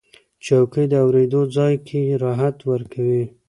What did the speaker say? چوکۍ د اورېدو ځای کې راحت ورکوي.